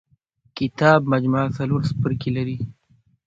کتاب مجموعه څلور څپرکي لري.